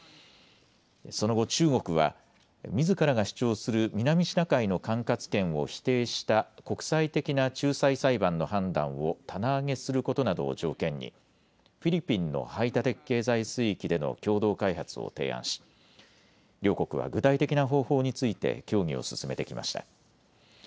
その後、中国はみずからが主張する南シナ海の管轄権を否定した国際的な仲裁裁判の判断を棚上げすることなどを条件にフィリピンの排他的経済水域での共同開発を提案し両国は具体的な方法について協議を進めてきました。